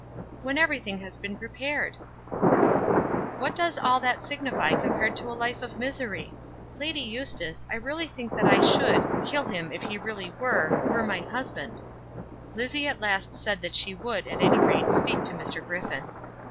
"When everything has been prepared!" "What does all that signify compared to a life of misery? Lady Eustace, I really think that I should kill him, if he really were were my husband." Lizzie at last said that she would, at any rate, speak to Sir Griffin.